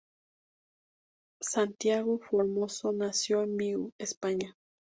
Santiago Formoso nació en Vigo, España.